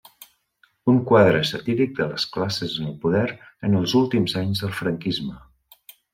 Un quadre satíric de les classes en el poder en els últims anys del franquisme.